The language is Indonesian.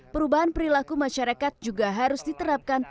perubahan perilaku masyarakat juga harus diterapkan